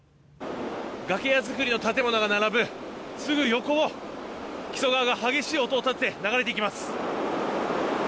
崖屋造りの建物が並ぶすぐ横を木曽川が激しい音を立てて流れていきます。